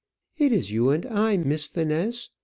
"It is you and I, Miss Finesse.